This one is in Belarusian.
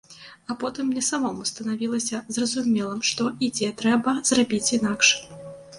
А потым мне самому станавілася зразумелым, што і дзе трэба зрабіць інакш.